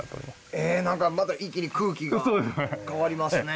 え何かまた一気に空気が変わりますね。